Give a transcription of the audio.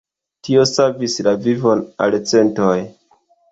Tio savis la vivon al centoj.